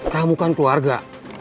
kamu kan keluarga